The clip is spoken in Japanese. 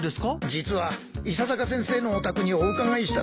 実は伊佐坂先生のお宅にお伺いしたのですが。